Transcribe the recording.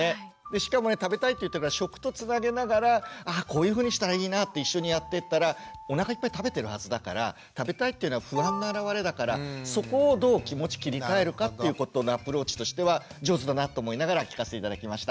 しかもね食べたいって言ってるから食とつなげながらあこういうふうにしたらいいなって一緒にやっていったらおなかいっぱい食べてるはずだから食べたいっていうのは不安の表れだからそこをどう気持ち切り替えるかっていうことのアプローチとしては上手だなと思いながら聞かせて頂きました。